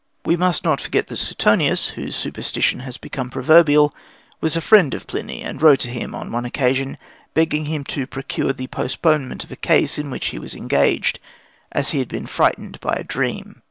We must not forget that Suetonius, whose superstition has become proverbial, was a friend of Pliny, and wrote to him on one occasion, begging him to procure the postponement of a case in which he was engaged, as he had been frightened by a dream.